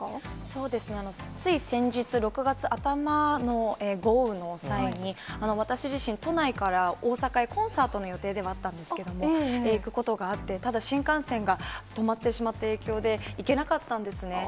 そうですね、つい先日、６月頭の豪雨の際に、私自身、都内から大阪へ、コンサートの予定ではあったんですけれども、行くことがあって、ただ、新幹線が止まってしまった影響で、行けなかったんですね。